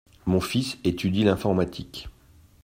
Mon fils étudie l’informatique.